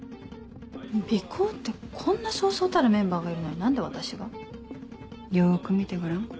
尾行ってこんなそうそうたるメンバーがいるのに何で私が？よく見てごらん。